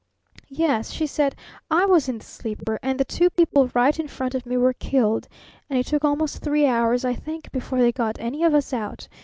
"Yes," she said, "I was in the sleeper, and the two people right in front of me were killed; and it took almost three hours, I think, before they got any of us out.